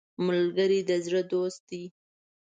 ملګری د زړه دوست دی